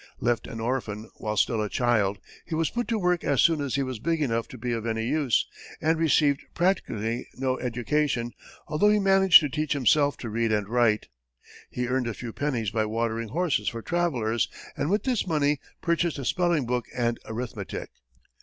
Left an orphan while still a child, he was put to work as soon as he was big enough to be of any use, and received practically no education, although he managed to teach himself to read and write. He earned a few pennies by watering horses for travelers, and with this money purchased a spelling book and arithmetic.